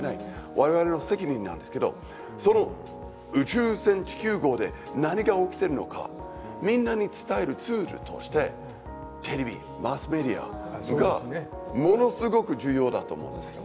我々の責任なんですけどその宇宙船地球号で何が起きてるのかみんなに伝えるツールとしてテレビマスメディアがものすごく重要だと思うんですよ。